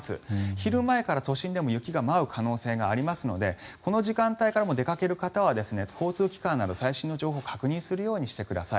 昼前から都心でも雪が舞う可能性がありますのでこの時間帯から出かける方は交通機関など最新の情報を確認するようにしてください。